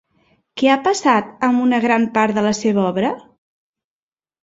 Què ha passat amb una gran part de la seva obra?